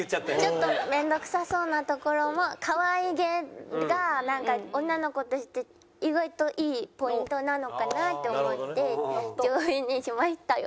ちょっと面倒くさそうなところも可愛げがなんか女の子として意外といいポイントなのかなって思って上位にしましたよ。